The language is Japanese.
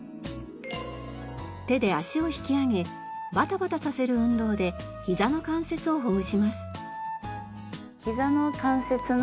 手で足を引き上げバタバタさせる運動でひざの関節をほぐします。